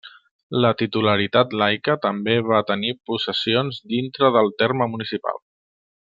La titularitat laica també va tenir possessions dintre del terme municipal.